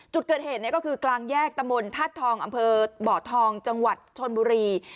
จุดเกิดเหตุกลางแยกตะวันท่าทองบ่อทองจังหวัดชลบุรี